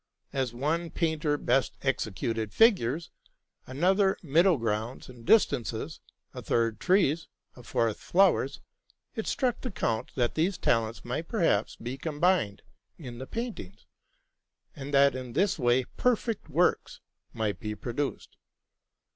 As one painter best executed figures, another middle grounds and distances, a third trees, a fourth flowers, it struck the count that these talents might perhaps be combined in the paint ings, and that in this way perfect works might be produced.